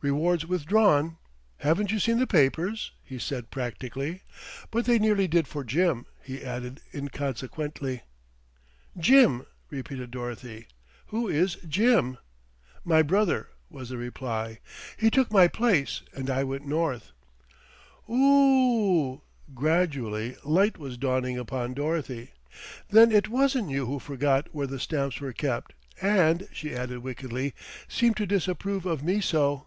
"Reward's withdrawn. Haven't you seen the papers?" he said practically; "but they nearly did for Jim," he added inconsequently. "Jim!" repeated Dorothy. "Who is Jim?" "My brother," was the reply. "He took my place and I went north." "Oooooooh!" Gradually light was dawning upon Dorothy. "Then it wasn't you who forgot where the stamps were kept and," she added wickedly, "seemed to disapprove of me so."